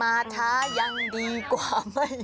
มาช้ายังดีกว่า